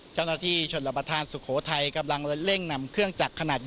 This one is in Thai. เช่นที่ชนบสถานสุโขทัยกำลังเล่นกรงนำเครื่องจักรขนาดใหญ่